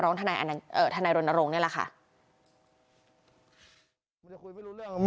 ห้ามกันครับผม